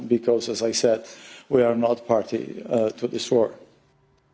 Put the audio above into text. kita bukan bagian dari partai untuk perang ini